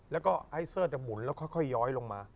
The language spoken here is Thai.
แล้วก็ไอเซอร์จะหมุนแล้วค่อยย้อยลงมา